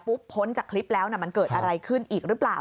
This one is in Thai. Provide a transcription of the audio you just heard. พ้นจากคลิปแล้วมันเกิดอะไรขึ้นอีกหรือเปล่า